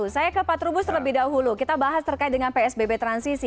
saya ke pak trubus terlebih dahulu kita bahas terkait dengan psbb transisi